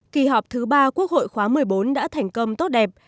kỳ họp thứ ba quốc hội khóa một mươi bốn đã thành công tốt đẹp